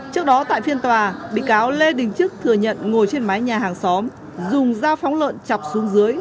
trước đó tại phiên tòa bị cáo lê đình trức thừa nhận ngồi trên mái nhà hàng xóm dùng dao phóng lợn chọc xuống dưới